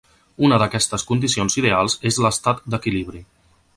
Una d'aquestes condicions ideals és l'estat d'equilibri.